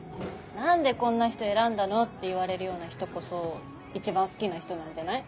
「何でこんな人選んだの？」って言われるような人こそ一番好きな人なんじゃない。